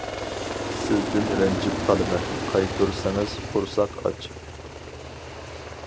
سىزدىن رەنجىپ قالىمەن، قايتۇرسىڭىز قۇرساق ئاچ.